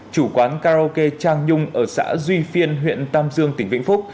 chủ quán karaoke trang nhung ở xã duy phiên huyện tam dương tỉnh vĩnh phúc